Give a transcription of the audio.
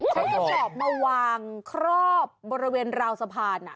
กระสอบมาวางครอบบริเวณราวสะพาน